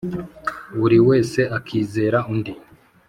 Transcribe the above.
buri wese akizera undi,